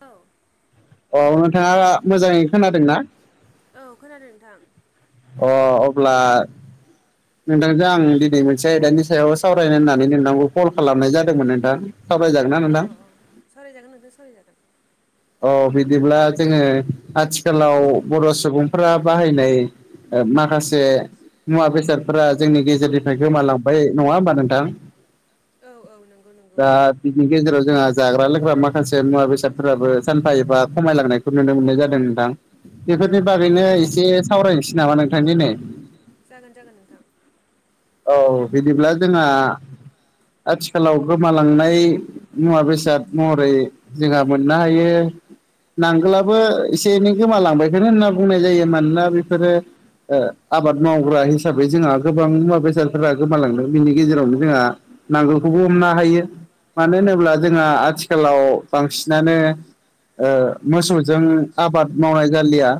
औ औ नोंथाङा मोजाङै खोनादों ना? औ खोनादों नोंथां। अ अब्ला नोंथांजों आं दिनै मोनसे आयदानि सायाव सावरायनो होननानै नोंथांखौ कल खालामनाय जादोंमोन नोंथां। सावराय जागोन ना? ओ नोंथां ओं सावरायजागोन नोंथां सावरायजागोन अ बिदिब्ला जोङो आथिखालाव बर' सुबुंफोरा बाहायनाय ओ माखासे मुवा बेसादफोरा जोंनि गेजेरनिफ्राय गोमालांबाय नङा होमबा नोंथां औ औ नंगौ नंगौ दा बिनि गेजेराव जोंहा जाग्रा लोंग्रा माखासे मुवा बेसादफोराबो सानफा एफा खमायलांनायखौ नुनो मोननाय जादों नोंथां बेफोरनि औ औ बागैनो औ एसे सावरायनोसै नामा नोंथां दिनै जागोन जागोन नोंथां औ बिदिब्ला जोंहा आथिखालाव गोमालांनाय मुवा बेसाद महरै जोंहा मोननो हायो नांगोलाबो एसे एनै गोमालांबायखोनो होनना बुंनाय जायो मानोना बेफोरो ओ आबाद मावग्रा हिसाबै जोंहा गोबां मुवा बेसाद सादफोरा गोमालांदों बिनि गेजेरावनो जोंहा नांगोलखौबो हमनो हायो मानो होनोब्ला औ जोंहा आथिखालाव बांसिनानो ओ मोसौजों आबाद मावनाय जालिया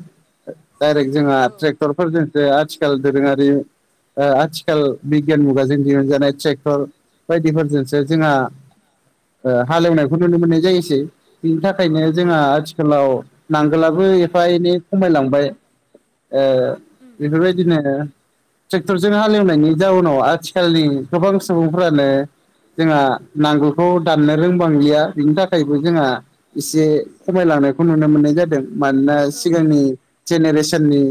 डायरेक्ट औ जोंहा औ ट्रेक्टरफोरजोंसो आथिखाल दोरोंयारि ओ आथि खाल बिगियान मुगाजों दिहुनजानाय ट्रेक्टर बायदिफोरजोंसो जोंहा ओ हालेवनायखौ नुनो मोननाय जायोसै बिनि थाखायनो जोंहा आथिखालाव नांगोलाबो एफा एनै खमायलांबाय। ओ उम बेफोरबायदिनो ट्रेक्टरजों हालेवनाय नि जाउनाव आथिखालनि गोबां सुबुंफोरानो जोंहा नांगोलखौ दाननो रोंबांलिया बिनि थाखायबो जोंहा इसे खमायलांनायखौ नुनो मोननाय जादों मानोना औ औ सिगांनि जेनेरेसेननि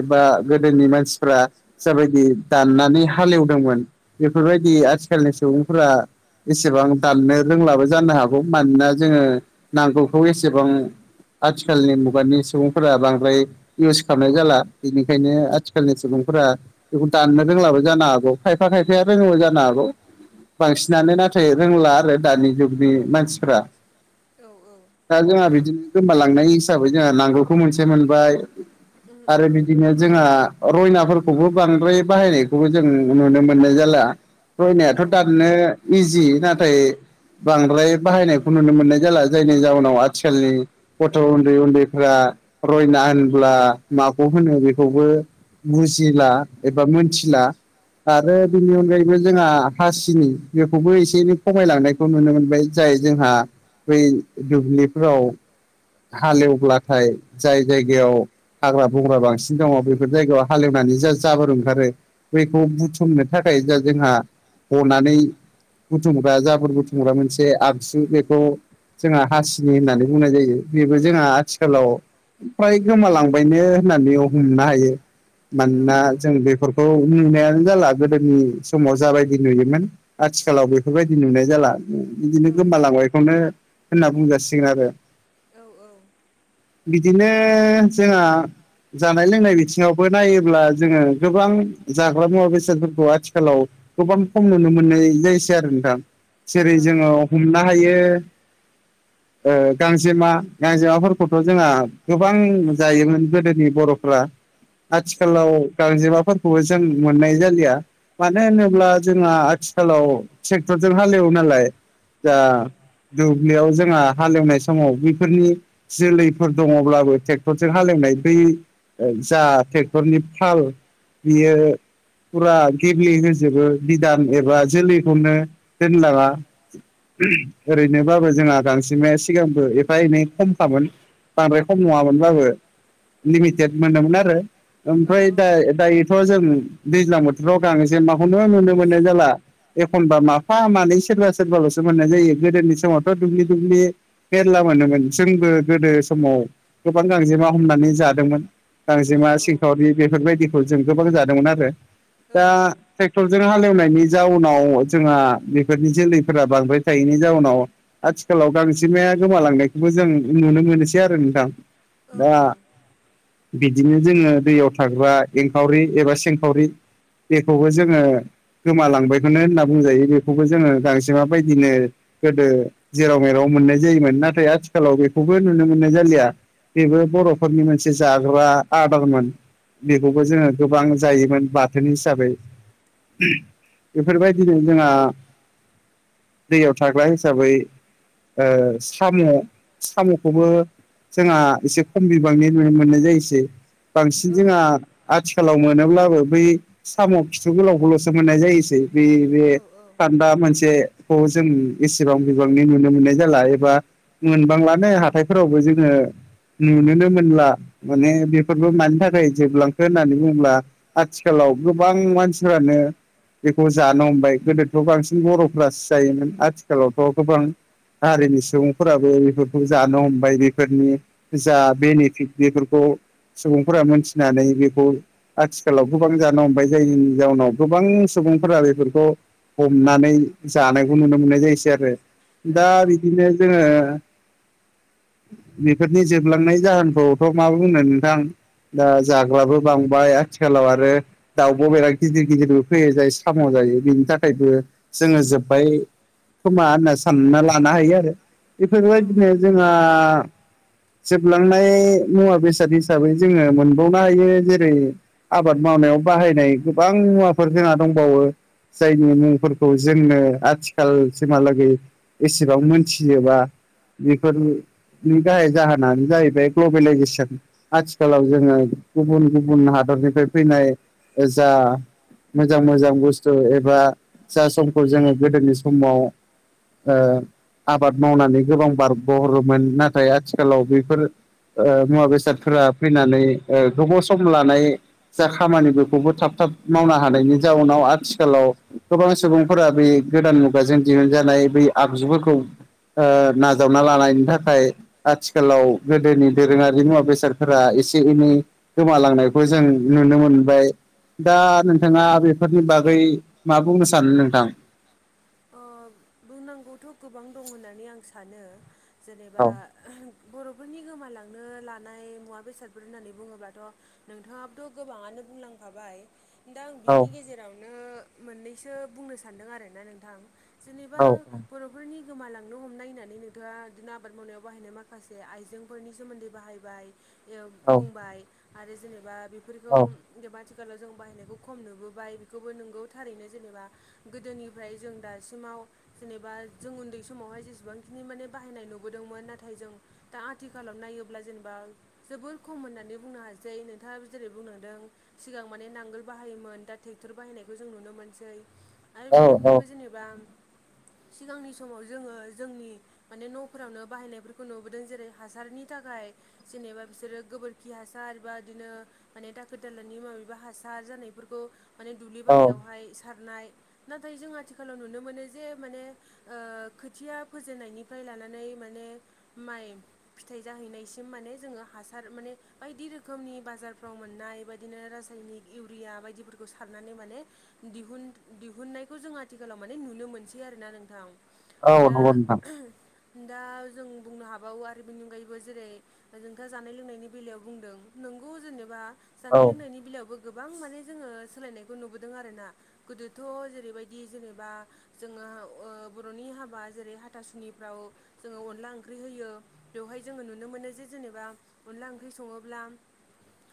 एबा गोदोनि मानसिफ्रा जाबायदि दानना नै हालेवदोंमोन बेफोरबायदि आथिखालनि सुबुंफोरा एसेबां दाननो रोंलाबो जानो हागौ मानोना जोङो नांगोलखौ एसेबां आथिखालनि मुगानि सुबुंफोरा बांद्राय इउस खामनाय जाला बेनिखायनो आथिखालनि सुबुंफोरा बेखौ दाननो रोंलाबो जानो हागौ खायफा खायफाया रोङोबो जानो हागौ। बांसिनानो नाथाय रोंला आरो दानि जुगनि मानसिफ्रा। औ औ। दा जोंहा बिदिनो गोमालांनाय हिसाबै जोंहा नांगोलखौ मोनसे मोनबाय औ आरो बि दिनो जोंहा रयनाफोरखौबो बांद्राय बाहायनायखौबो जों नुनो मोननाय जाला। रयनायाथ' औ दाननो इजि नाथाय बांद्राय बाहायनायखौ नुनो मोननाय जाला जायनि जावनाव आथिखालनि गथ' उन्दै उन्दैफ्रा रयना होनब्ला माखौ होनो बेखौबो बुजिला एबा मोनथिला। आरो बेनि अनगायैबो जोंहा हासिनि बेखौबो एसे एनै खमायलांनाय खौ नुनो मोनबाय जाय जोंहा बै दुब्लिफोराव हालेवब्लाथाय जाय जायगायाव हाग्रा बंग्रा बांसिन दङ बेफोर जायगायाव हालेवनानै जा जाबोर ओंखारो बैखौ बुथुमनो थाखाय जा जोंहा हनानै बुथुमग्रा जाबोर बुथुमग्रा मोनसे आगजु बेखौ जोंहा हासिनि होननानै बुंनाय जायो। बेबो जोंहा आथिखालाव प्राय गोमालांबायनो होननानै हमनो हायो। औ मानोना जों बेफोरखौ नुनायानो जाला गोदोनि समाव जाबायदि नुयोमोन। आथिखालाव बेफोरबायदि नुनाय जाला बिदिनो गोमालांबायखौनो होनना बुंजासिगोन आरो। औ औ। बिदिनो जोंहा। जानाय लोंनाय बिथिङावबो नायोब्ला जोङो गोबां जाग्रा मुवा बेसादफोरखौ आथिखालाव गोबां खम नुनो मोननाय जायोसै आरो नोंथां। जेरै ओं जोङो ओं ओं हमनो हायो ओ गां जेमा गांजेमाफोरखौथ' जोंहा गोबां जायोमोन गोदोनि बर'फ्रा। औ आथिखालाव गांजेमाफोरखौबो जों मोननाय जालिया। मानो होनोब्ला जोंहा आथिखालाव ट्रेकटरजों हालेवो नालाय। जा उम उम दुब्लियाव जोंहा हालेवनाय स समाव बिफोरनि जोलैफोर दङब्लाबो ट्रेक्टरजों हालेवनाय बै जा ट्रेक्टरनि फाल बियो फुरा गेब्ले होजोबो बिधान एबा जोलैखौनो दोनलाङा। ओरैनोबाबो जोंहा गांजेमाया स सिगांबो एफा एनै खमखामोन बांद्राय खम नङामोनबाबो। लिमिटेड मोनोमोन आरो औ ओमफ्राय दा दायो थ' जों दैज्लां बोथोराव गांजेमाखौनो नुनो मोननाय जाला। एखनबा माफा मानै सोरबा सोरबालसो मोननाय जायो गोदोनि समावथ' दुब्लि दुब्लि मेरला मोनोमोन जोंबो गोदो समाव गोबां गांजेमा हमनानै जादोंमोन। औ गांजेमा सिंखावरि बेफोरबायदिखौ जों गोबां जादोंमोन आरो औ दा ट्रेक्टरजों हालेवनायनि जाउनाव जोंहा बेफोरनि जोलैफोरा बांद्राय थायैनि जाउनाव आथिखालाव गांजे जेमाया गोमालांनायखौबो जों नुनो मोनोसै आरो नोंथां औ दा औ बिदिनो जोङो दैयाव थाग्रा एंखावरि एबा सिंखावरि बेखौबो जोङो गोमालांबायखौनो होनना बुंजायो बेखौबो जोङो गांजेमा बायदिनो गोदो जेराव मेरा राव मोननाय जायोमोन नाथाय आथिखालाव बेखौबो नुनो मोननाय जालिया बेबो बर'फोरनि मोनसे जाग्रा आदारमोन बेखौबो जोङो गोबां जायोमोन बाथोन हिसाबै बेफोरबायदिनो जोंङा दैयाव थाग्रा हिसाबै ओ साम' साम'खौबो जोंङा एसे खम बिबांनि नुनो मोननाय जायोसै औ बांसिन जोंङा आथिखालाव मोनोब्लाबो बै साम' खिथु गोलावखौल'सो मोननाय जायोसै बै बे औ औ खान्दा मोनसेखौ जों एसेबां बिबांनि नुनो मोननाय जा जाला एबा मोनबांलानो हाथायफोरावबो जोङो नुनोनो मोनला माने बेफोरबो मानि थाखाय जोबलांखो होननानै बुंङोब्ला आथिखालाव गोबां मानसिफ्रानो बेखौ जानो हमबाय गोदोथ' बांसिन बर'फ्रासो जायोमोन आथिखालावथ' गोबां हारिनि सुबुंफोराबो बेफोरखौ जानो हमबाय बेफोरनि जा बेनिफिट बेफोरखौ सुबुंफोरा मोनथिनानै बेखौ आथिखालाव गोबां जानो हमबाय जायनि जाउनाव गोबां सुबुंफोरा बेफोरखौ हमनानै जानायखौ नुनो मोननाय जायोसै आरो दा आरो बिदिनो जोङो बेफोरनि जोबलांनाय जाहोनखौथ' मा बुंनो नोंथां दा जाग्राबो बांबाय आथिखालाव आरो दाउब' बेराद गिदिर गिदिरबो फैयो जाय साम' जायो बिनि थाखायबो जोङो जोब्बाय खोमा होनना सानना लानो हायो आरो औ औ बेफोरबायदिनो जोंहा जोबलांनाय मुवा बेसाद हिसाबै जोङो मोनबावनो हायो जेरै आबाद मावनायाव बाहायनाय गोबां मुवाफोर जोंहा दंबावो जायनि मुंफोरखौ जोंनो आथिखालसिमहालागै एसेबां मोनथिजोबा बेफोरनि नि गाहाय जाहोनानो जाहैबाय ग्लबेलाइजेसन आथिखालाव जोङो गुबुन गुबुन हादरनिफ्राय फैनाय ओ जा मोजां मोजां बुस्थु एबा जा समखौ जोङो गोदोनि समाव ओ आबाद मावनानै गोबां बारग'हरोमोन नाथाय आथिखालाव बेफोर ओ मुवा बेसादफोरा फैनानै ओ गोबाव सम लानाय जा खामानिफोरखौबो थाब थाब मावनो हानायनि जाउनाव आथिखालाव गोबां सुबुंफोरा बे गोदान मुगाजों दिहुनजानाय बै आगजुफोरखौ ओ नाजावना लानायनि थाखाय आथिखालाव गोदोनि दोरोङारि मुवा बेसादफोरा एसे एनै गोमालांनायखौ जों नुनो मोनबाय दा नोंथाङा बेफोरनि बागै मा बुंनो सानो नोंथां अ बुंनांगौथ' गोबां दं होननानै आं सानो जेनेबा औ बर'फोरनि गोमालांनो लानाय मुवा बेसादफोर होननानै बुङोबाथ' नोंथाङाबोथ' गोबाङानो बुंलांखाबाय दा आं औ बिनि गेजेरावनो मोननैसो बुंनो सानदों आरोना नोंथां जेनेबा औ औ बर' फोरनि गोमालांनो हमनाय होननानै नोंथाङा बिदिनो आबाद मावनायाव बाहायनाय माखासे आइजेंफोरनि सोमोन्दै बाहायबाय इयो औ बुंबाय आरो जेनेबा औ बेफोरखौ जेनेबा आथिखालाव जों बाहायनायखौ खम नुबोबाय बेखौबो नोंगौ थारैनो जेनेबा गोदोनिफ्राय जों दासिमाव जेनेबा जों उन्दै समावहाय जेसेबांखिनि माने बाहायनाय नुबोदोंमोन नाथाय जों दा आथिखालाव नायोब्ला जेनेबा जोबोर खम होननानै बुंनो हासै नोंथाङाबो जेरै बुंनो हादों सिगां माने नांगोल बाहायोमोन दा ट्रेक्टर बाहायनायखौ जों नुनो मोनसै आरो बिनि औ अनगायैबो जेनेबा सिगांनि समाव जोङो जोंनि माने न'फोरावनो बाहायनायफोरखौ नुबोदों जेरै हासारनि थाखाय जेनेबा बिसोरो गोबोरखि हासार एबा इदिनो माने दाखोर दालानि माबेबा हासार जानायफोरखौ माने दुब्लि औ बारियावहाय सारनाय नाथाय जों आथिखालाव नुनो मोनो जे माने खोथिया फोजेननायनिफ्राय लानानै माने माइ फिथाइ जाहैनायसिम माने जोङो हासार माने बायदि रोखोमनि बाजारफ्राव मोननाय बादिनो रासायनिक इउरिया बायदिफोरखौ सारनानै माने दिहुन दिहुननायखौ जों आथिखालाव माने नुनो मोनसै आरोना नोंथां औ दा नंगौ नोंथां दा जों बुंनो हाबावो आरो बेनि अनगायैबो जेरै जों दा जानाय लोंनायनि बेलायाव बुंदों नोंगौ जेनेबा औ जानाय लोंनायनि बेलायावबो गोबां माने जोंङो सोलायनायखौ नुबोदों आरोना गोदोथ' जेरैबाय दि जेनेबा जोंङो ओ बर'नि हाबा जेरै हाथासुनिफ्राव जोंङो अनला ओंख्रि होयो बेवहाय जोंङो नुनो मोनो जे जेनेबा अनला ओंख्रि संङोब्ला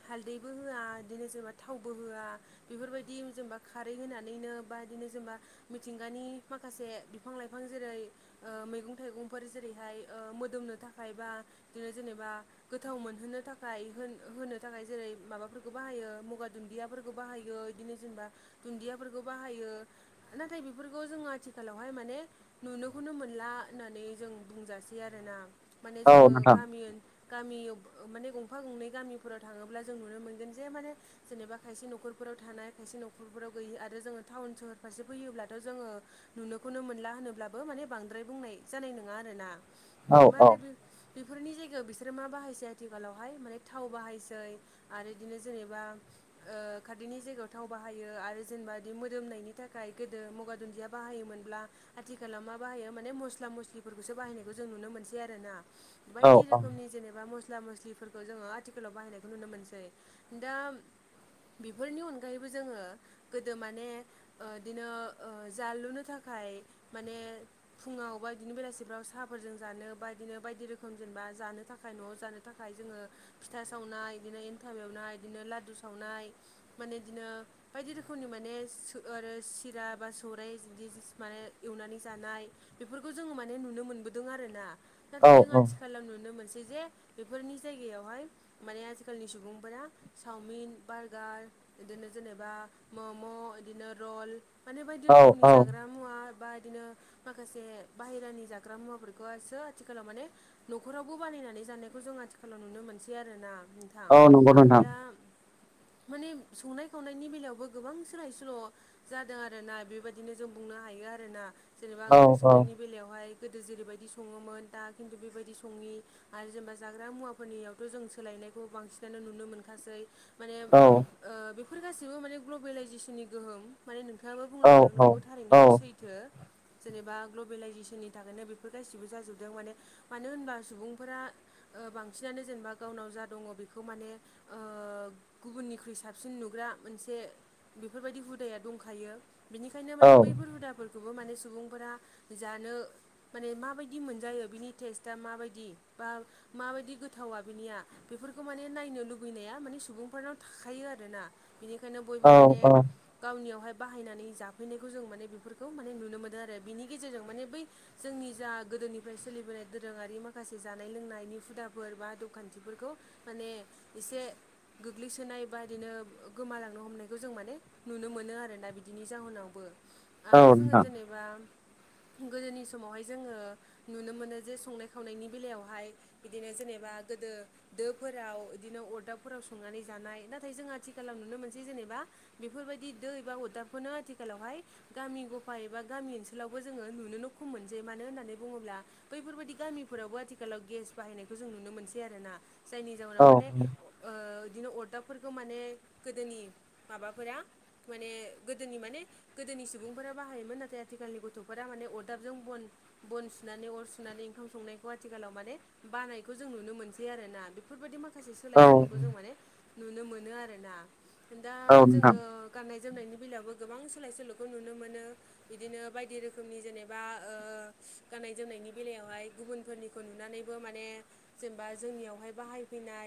हालदैबो होआ इदिनो जेनेबा थावबो होआ बेफोरबायदि जेनेबा खारै होनानैनो बा इदिनो जेनेबा मिथिंगानि माखासे बिफां लाइफां जेरै ओ मैगं थाइगंफोर जेरैहाय ओ मोदोमनो थाखाय बा बिदिनो जेनेबा गोथाव मोनहोनो थाखाय होन होनो थाखाय जेरै माबाफोरखौ बाहायो मुगा दुन्दियाफोरखौ बाहायो। बिदिनो जेनेबा दुन्दियाफोरखौ बाहायो नाथाय बेफोरखौ जोंङो आथिखालावहाय माने नुनोखौनो मोनला होननानै जों बुंजासै आरोना माने औ जोंङो नोंथां गामि ओन गामियाव माने गंफा गंनै गामिफोराव थाङोब्ला जों नुनो मोनगोन जे माने जेनेबा खायसे न'खरफोराव थानाय खायसे न'खरफोराव गैयि आरो जोंङो टाउन सहर फारसे फैयोब्लाथ' जोंङो नुनोखौनो मोनला होनोब्लाबो माने बांद्राय बुंनाय जानाय नोंङा आरोना औ बे औ मारे बे बेफोरनि जायगायाव बिसोरो मा बाहायसै आथिखालावहाय माने थाव बाहायसै आरो इदिनो जेनेबा ओ खारदैनि जायगायाव थाव बाहायो आरो जेनेबा इदि मोदोमनायनि था खाय गोदो मुगा दुन्दिया बाहाययोमोनब्ला आथिखालाव मा बाहायो माने मस्ला मस्लिफोरखौसो बाहायनायखौ जों नुनो मोनसै आरोना। औ बायदि रोखोमनि जेनेबा मस ला मस्लिफोरखौ जोंङो आथिखालाव बाहायनायखौ नुनो मोनसै दा बेफोरनि अनगायैबो जोंङो गोदो माने ओ इदिनो ओ जालुनो थाखाय माने फुंङाव बा इदिनो बेलासिफ्राव साहाफोरजों जानो बा इदिनो बायदि रोखोम जेनेबा जानो थाखाय न'आव जानो था थाखाय जोंङो फिथा सावनाय इदिनो एन्थाब एवनाय इदिनो लादु सावनाय माने इदिनो बायदि रोखोमनि माने सो आरो सिरा बा सौराय इज दि बिदि माने एवनानै जानाय बेफोरखौ जोंङो माने नुनो मोनबोदों आरोना औ नाथाय जों आथिखालाव नुनो मोनसै जे बेफोरनि जायगायावहाय माने आजिखालिनि सुबुंफोरा चावमिन बारगार बिदिनो जेनेबा मम' बिदिनो रल माने बायदि औ रोखोमनि औ जाग्रा मुवा बा बिदिनो माखासे बाहेरानि जाग्रा मुवाफोरखौसो आथिखालाव माने न'खरावबो बानायनानै जानायखौ जों आथिखालाव नुनो मोनसै आरोना। औ नंगौ नोंथां दा माने संनाय खावनायनि बेलायावबो गोबां सोलाय स ल' जादों आरना बेबायदिनो जों बुंनो हायो आरोना जेनेबा औ ओंख्रि संनायनि बेलायावहाय गोदो जेरैबायदि सङोमोन दा खिन्थु बेबायदि सङि आरो जेनेबा जाग्रा मुवाफोरनियावथ' जों सोलायनायखौ बांसिनानो नुनो मोनखासै माने औ बेफोर गासैबो माने ग्लबेलाइजेसननि गोहोम माने नोंथाङाबो बुंलांदों औ औ नंगौ थारैनो बे सैथो जेनेबा ग्लबेलाइजेसननि थाखायनो बेफोर गासिबो जाजोबदों माने मानो होनबा सुबुंफोरा बांसिनानो जेनेबा गावनाव जा दङ बेखौ माने ओ गुबुननिख्रुइ साबसिन नुग्रा मोनसे बेफोरबायदि हुदाया दंखायो बिनिखायनो माने बैफोर हुदा फोरखौबो माने सुबुंफोरा जानो माने माबायदि मोनजायो बिनि टेस्टआ माबायदि बा माबायदि गोथावा बिनिया बेफोरखौ माने नायनो लुबैनाया माने सुबुंफोरनाव थाखायो आरोना। बिनिखायनो औ बयबो माने गावनियावहाय बाहायनानै जाफैनायखौ जों माने बेफोरखौ माने नुनो मोनो आरो बिनि गेजेरजों माने बै जोंनि जा गोदोनिफ्राय सोलिबोनाय दोरोङारि माखासे जानाय लोंनायनि हुदाफोर बा आदबखान्थिफोरखौ माने एसे गोग्लैसोनाय बा बिदिनो गोमालांनो हमनायखौ जों माने नुनो मोनो आरोना बिदिनि जाहोनावबो औ आरो जोङो नोंथां जेनेबा गोदोनि समावहाय जोङो नुनो मोनो जे संनाय खावनायनि बेलायावहाय बिदिनो जेनेबा गोदो दोफोराव इदिनो अरदाबफोराव संनानै जानाय नाथाय जों आथिखालाव नुनो मोनसै जेनेबा बेफोरबायदि दो एबा अरदाबखौनो आथिखालावहाय गामि गफा एबा गामि ओनसोलावबो जोङो नुनोनो खम मोनसै मानो होननानै बुङोब्ला बैफोरबायदि गामिफोरावबो आथिखालाव गेस बाहायनायखौ जों नुनो मोनसै आरोना जायनि औ जाहोनाव माने ओ बिदिनो अरदाबफोरखौ माने गोदोनि माबा फोरा माने गोदोनि माने गोदोनि सुबुंफोरा बाहायोमोन नाथाय आथिखालनि गथ'फोरा माने अरदाबजों बन बन सुनानै अर सुनानै ओंखाम संनायखौ आथिखालाव माने बानायखौ जों नुनो मोनसै आरोना बेफोरबायदि माखासे सोलाय औ सोल'खौ जों माने नुनो मोनो आरोना दा औ नोंथां ओ गाननाय जोमनायनि बेलायावबो गोबां सोलाय सोल'खौ नुनो मोनो। बिदिनो बायदि रोखोमनि जेनेबा ओ गाननाय जोमनायनि बेलायावहाय गुबुनफोरनि खौ नुनानैबो माने जेनेबा जोंनियावहाय बाहाय फैनाय